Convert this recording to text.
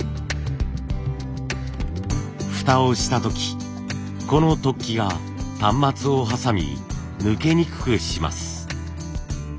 フタをした時この突起が端末を挟み抜けにくくします。